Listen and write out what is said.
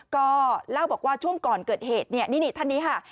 ก็เล่าบอกว่าช่วงก่อนเกิดเหตุเนี่ยนี่ท่านนี้ค่ะ